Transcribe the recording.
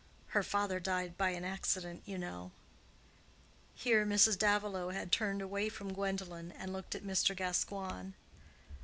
Her father died by an accident, you know." Here Mrs. Davilow had turned away from Gwendolen, and looked at Mr. Gascoigne.